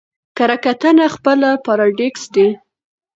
کره کتنه خپله پاراټيکسټ دئ.